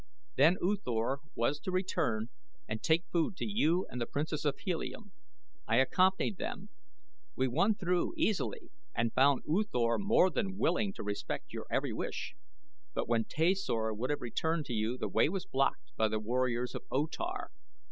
Then U Thor was to return and take food to you and the Princess of Helium. I accompanied them. We won through easily and found U Thor more than willing to respect your every wish, but when Tasor would have returned to you the way was blocked by the warriors of O Tar.